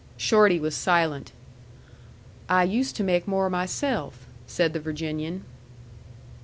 Shorty was silent. "I used to make more myself," said the Virginian.